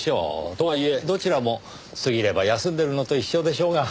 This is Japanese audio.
とはいえどちらも過ぎれば休んでるのと一緒でしょうが。